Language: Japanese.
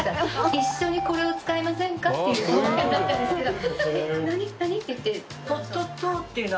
「一緒にこれを使いませんか？」っていう方言だったんですけど「何？何？」って言って。